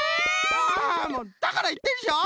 はあもうだからいったでしょ！